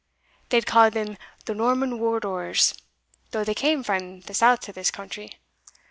They ca'd them the Norman Wardours, though they cam frae the south to this country.